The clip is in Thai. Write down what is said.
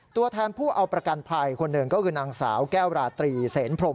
ตัวแทนผู้เอาประกันภัยคนหนึ่งก็คือนางสาวแก้วราตรีเสนพรม